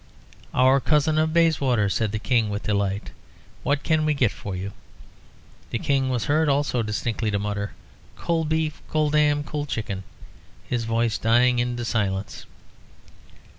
"Our cousin of Bayswater," said the King, with delight; "what can we get for you?" The King was heard also distinctly to mutter, "Cold beef, cold 'am, cold chicken," his voice dying into silence.